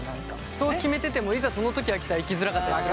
そう決めててもいざその時が来たらいきづらかったりする。